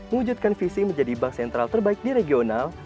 mewujudkan visi menjadi bank sentral terbaik di regional